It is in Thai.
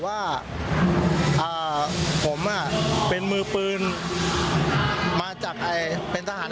อ่าผมอ่ะเป็นมือปืน